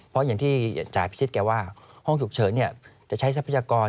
เพราะอย่างที่จ่าพิชิตแกว่าห้องฉุกเฉินจะใช้ทรัพยากร